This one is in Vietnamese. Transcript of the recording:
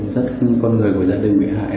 rất con người của gia đình bị hại